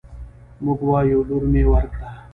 موږ وايو: لور مې ورکړ